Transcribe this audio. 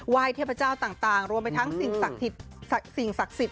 เทพเจ้าต่างรวมไปทั้งสิ่งศักดิ์สิทธิ